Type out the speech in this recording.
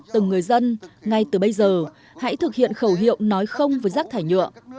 từng người dân ngay từ bây giờ hãy thực hiện khẩu hiệu nói không với rác thải nhựa